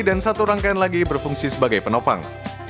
dan satu rangkaian lagi berfungsi sebagai penopang